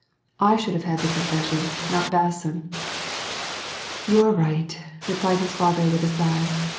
*' I should have had the confession, not Basson." You are right," replied his father, with a sigh.